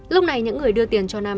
lúc này những người đưa tiền cho nam